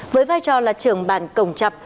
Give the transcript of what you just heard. với vai trò là trường bàn cổng chập